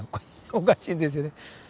おかしいですよね。